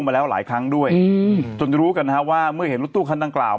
มาแล้วหลายครั้งด้วยจนรู้กันนะฮะว่าเมื่อเห็นรถตู้คันดังกล่าว